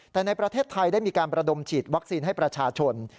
แต่ในประเทศไทยได้มีการประดมฉีดวัคซีนให้ประชาชน